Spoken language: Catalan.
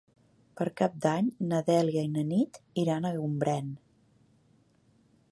Per Cap d'Any na Dèlia i na Nit iran a Gombrèn.